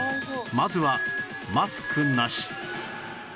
まずはマスクなし